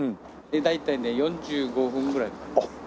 大体ね４５分ぐらいかかります。